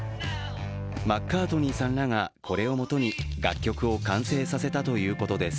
マッカートニーさんらがこれを元に楽曲を完成させたということです。